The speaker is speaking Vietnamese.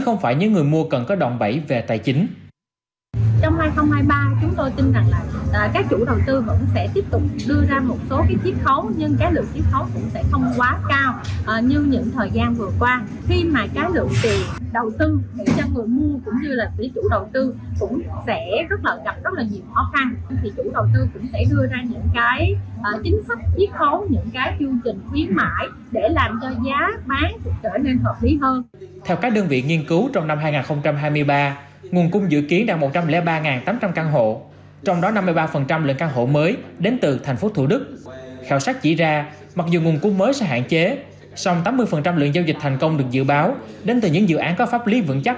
song tám mươi lượng giao dịch thành công được dự báo đến từ những dự án có pháp lý vững chắc